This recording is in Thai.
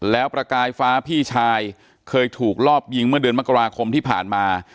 แล้วประกายฟ้าพี่ชายเคยถูกรอบยิงเมื่อเดือนมกราคมที่ผ่านมา